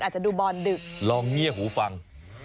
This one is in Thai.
อาจจะดูบอลดึกลองเงียบหูฟัง